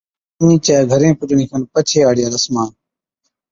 ڄَڃِي چي گھرين پھچڻي کن پڇي ھاڙِيا رسمان